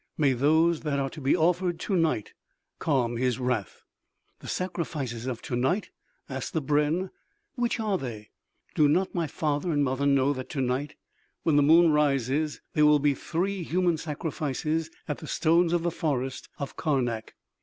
May those that are to be offered to night calm his wrath." "The sacrifices of to night?" asked the brenn; "which are they?" "Do not my father and mother know that to night, when the moon rises, there will be three human sacrifices at the stones of the forest of Karnak?"